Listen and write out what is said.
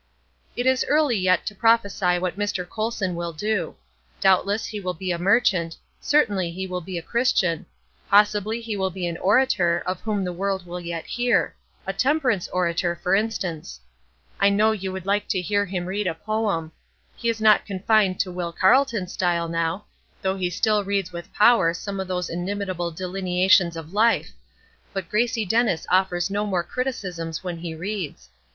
It is early yet to prophesy what Mr. Colson will do. Doubtless he will be a merchant; certainly he will be a Christian; possibly he will be an orator, of whom the world will yet hear, a temperance orator, for instance. I know you would like to hear him read a poem. He is not confined to Will Carleton's style now, though he still reads with power some of those inimitable delineations of life; but Gracie Dennis offers no more criticisms when he reads.